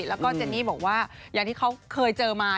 แล้วก็เจนนี่บอกว่าอย่างที่เขาเคยเจอมา